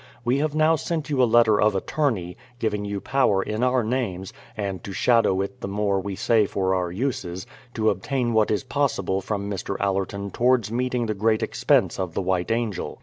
We have now sent you a letter of attorney, giving you power in our names (and to shadow it the more we say for our uses) to obtain what is possible from Mr. Allerton towards meeting the great expense of the White Angel.